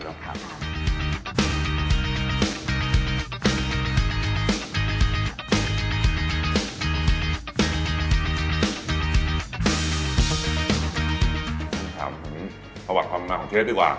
อันนี้ภาวะความรู้มากของเชฟดีกว่า